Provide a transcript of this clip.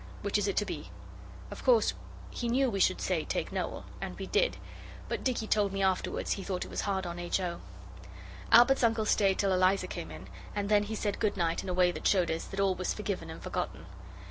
Which is it to be?' Of course he knew we should say, 'Take Noel' and we did; but Dicky told me afterwards he thought it was hard on H. O. Albert's uncle stayed till Eliza came in, and then he said good night in a way that showed us that all was forgiven and forgotten.